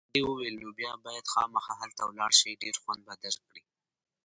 پادري وویل: نو بیا باید خامخا هلته ولاړ شې، ډېر خوند به درکړي.